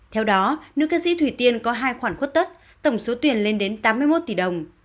theo đó nữ ca sĩ thủy tiên có hai khoản khuất tất tổng số tiền lên đến tám mươi một tỷ đồng